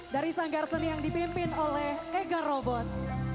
dari sang garseni yang dipimpin oleh ega robot